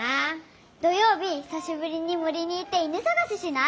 土曜日ひさしぶりにもりに行って犬さがししない？